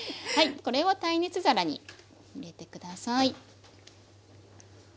これを耐熱皿に入れて下さい。